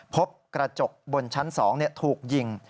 พบกระจกบนชั้น๒ถูกยิง